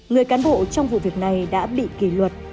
người cán bộ trong vụ việc này đã bị kỷ luật